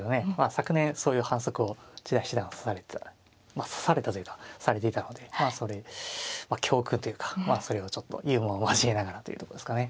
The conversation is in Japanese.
昨年そういう反則を千田七段は指されてたまあ指されたというかされていたのでまあそれ教訓というかそれをちょっとユーモアも交えながらというとこですかね。